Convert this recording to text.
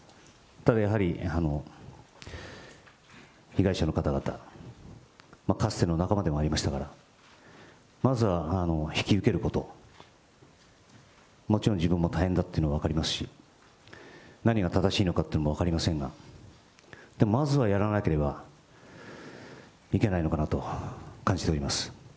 ただやはり、被害者の方々、かつての仲間でもありましたから、まずは引き受けること、もちろん自分も大変だっていうのも分かりますし、何が正しいのかってのも分かりませんが、まずはやらなければいけないのかなと感じております。